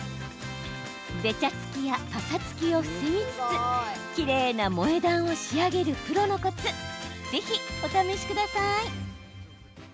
べちゃつきや、ぱさつきを防ぎつつ、きれいな萌え断を仕上げるプロのコツぜひお試しください。